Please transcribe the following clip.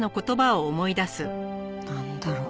なんだろう？